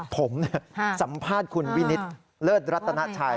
ผมสัมภาษณ์คุณวินิตเลิศรัตนาชัย